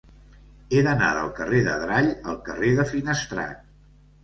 He d'anar del carrer d'Adrall al carrer de Finestrat.